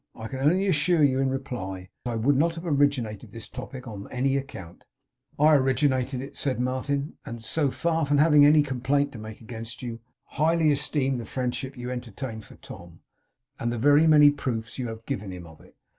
I can only assure you, in reply, that I would not have originated this topic on any account.' 'I originated it,' said Martin; 'and so far from having any complaint to make against you, highly esteem the friendship you entertain for Tom, and the very many proofs you have given him of it.